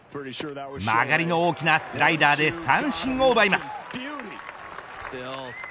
曲がりの大きなスライダーで三振を奪います。